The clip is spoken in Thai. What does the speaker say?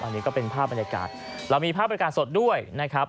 อันนี้ก็เป็นภาพบรรยากาศเรามีภาพบรรยากาศสดด้วยนะครับ